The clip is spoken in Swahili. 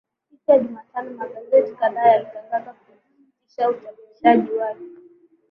siku ya jumatano magazeti kadhaa yalitangaza kusitisha uchapishaji wake